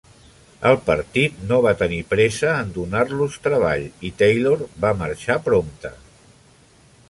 El partit no va tenir pressa en donar-los treball i Taylor va marxar prompte.